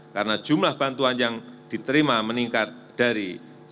karena jumlah bantuan yang diterima meningkat dari